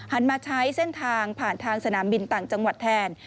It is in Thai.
มาใช้เส้นทางผ่านทางสนามบินต่างจังหวัดแทน